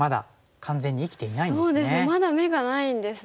まだ眼がないんですね。